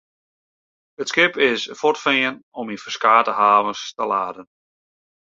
It skip is fuortfearn om yn ferskate havens te laden.